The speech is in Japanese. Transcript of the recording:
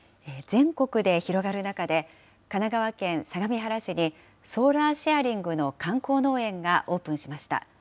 全国で広がる中で、神奈川県相模原市にソーラーシェアリングの観光農園がオープンしました。